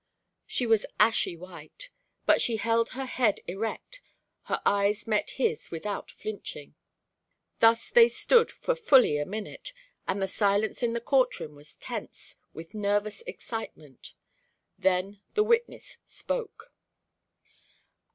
She was ashy white, but she held her head erect, her eyes met his without flinching. Thus they stood for fully a minute, and the silence in the court room was tense with nervous excitement. Then the witness spoke.